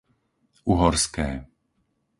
Uhorské